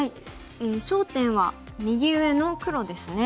焦点は右上の黒ですね。